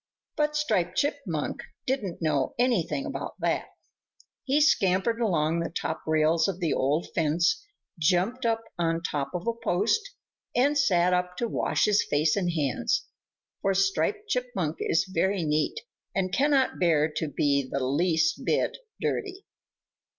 But Striped Chipmunk didn't know anything about that. He scampered along the top rails of the old fence, jumped up on top of a post, and sat up to wash his face and hands, for Striped Chipmunk is very neat and cannot bear to be the least bit dirty.